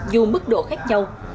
dù mức độ khác nhau